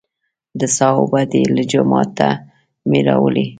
د څاه اوبه دي، له جوماته مې راوړې.